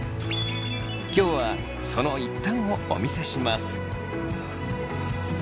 今日はその一端をお見せします。